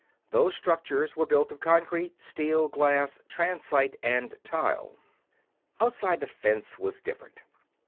Those structures were built of concrete, steel, glass, transite, and tile. "Outside the Fence" was different.